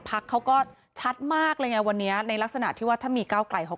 พักเขาก็ชัดมากเลยไงวันนี้ในลักษณะที่ว่าถ้ามีก้าวไกลเขา